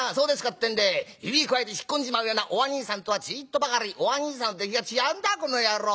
ってんで指くわえて引っ込んじまうようなおあにいさんとはちいっとばかりおあにいさんの出来が違うんだこの野郎。